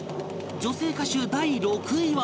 女性歌手第６位は